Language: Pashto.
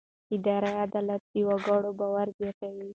اداري عدالت د وګړو باور زیاتوي.